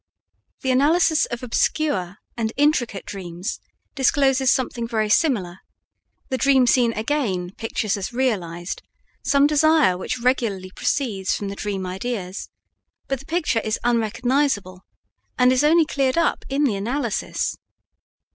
The analysis of obscure and intricate dreams discloses something very similar; the dream scene again pictures as realized some desire which regularly proceeds from the dream ideas, but the picture is unrecognizable, and is only cleared up in the analysis.